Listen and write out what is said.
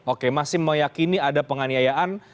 oke masih meyakini ada penganiayaan